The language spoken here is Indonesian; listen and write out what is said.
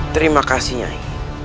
terima kasih nyai